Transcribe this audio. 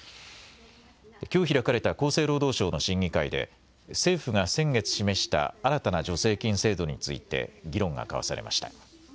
きょう開かれた厚生労働省の審議会で政府が先月示した新たな助成金制度について議論が交わされました。